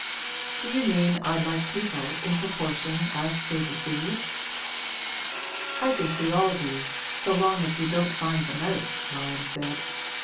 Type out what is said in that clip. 'Do you mean I like people in proportion as they deceive?' 'I think we all do, so long as we don't find them out,' Lyon said.